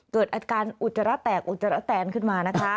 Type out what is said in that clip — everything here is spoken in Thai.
เกิดอาการอุจจาระแตกอุจจาระแตนขึ้นมานะคะ